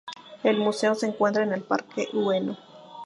El museo se encuentra en el parque Ueno.